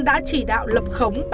đã chỉ đạo lập khống